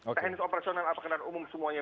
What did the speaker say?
nah teknik operasional apa kenal umum semuanya